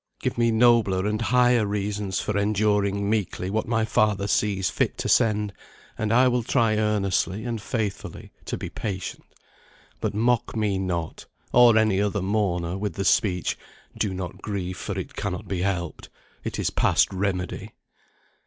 Give me nobler and higher reasons for enduring meekly what my Father sees fit to send, and I will try earnestly and faithfully to be patient; but mock me not, or any other mourner, with the speech, "Do not grieve, for it cannot be helped. It is past remedy."